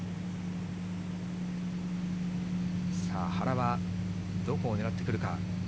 さあ、原はどこを狙ってくるか。